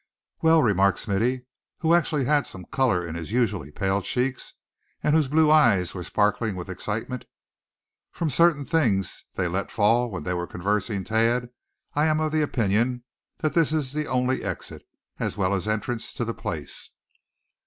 "Well," remarked Smithy, who actually had some color in his usually pale cheeks, and whose blue eyes were sparkling with excitement; "from certain things they let fall when they were conversing, Thad, I am of the opinion that this is the only exit, as well as entrance to the place."